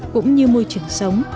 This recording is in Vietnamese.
cũng như môi trường sống